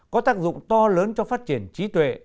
có tác dụng to lớn cho phát triển trí tuệ